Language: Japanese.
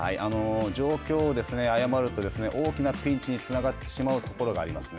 状況を誤ると大きなピンチにつながってしまうところがありますね。